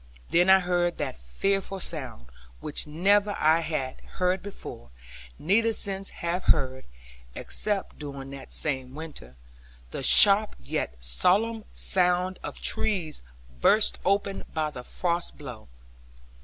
Then I heard that fearful sound, which never I had heard before, neither since have heard (except during that same winter), the sharp yet solemn sound of trees burst open by the frost blow.